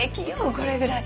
これぐらい。